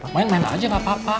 main main aja gak apa apa